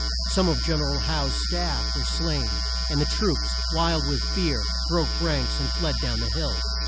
Some of Gen er al Howe's staff were slain, and the troops, wild with fear, broke ranks and fled down the hill.